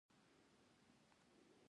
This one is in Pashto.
ټکنالوجي د اقتصاد وده ګړندۍ کوي.